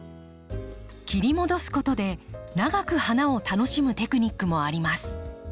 切り戻すことで長く花を楽しむテクニックもあります。